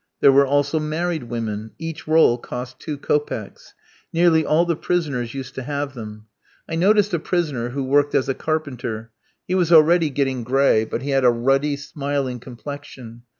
There were also married women. Each roll cost two kopecks. Nearly all the prisoners used to have them. I noticed a prisoner who worked as a carpenter. He was already getting gray, but he had a ruddy, smiling complexion.